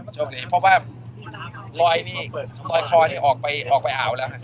โชคดีเพราะว่ารอยนี่รอยคอนี่ออกไปอ่าวแล้วครับ